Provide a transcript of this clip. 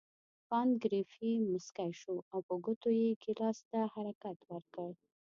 کانت ګریفي مسکی شو او په ګوتو یې ګیلاس ته حرکت ورکړ.